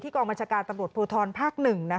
กองบัญชาการตำรวจภูทรภาค๑